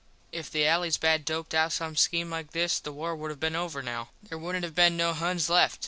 If the allys bad doped out some skeme like this the war would have been over now. There wouldnt have been no Huns left.